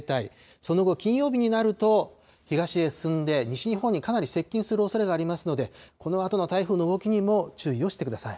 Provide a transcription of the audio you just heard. その後、金曜日になると、東へ進んで、西日本にかなり接近するおそれがありますので、このあとの台風の動きにも注意をしてください。